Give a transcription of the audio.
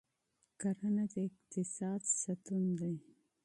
کرنه د اقتصاد ستون ده.